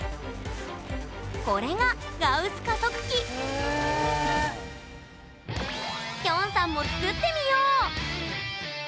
これがガウス加速機きょんさんも作ってみよう！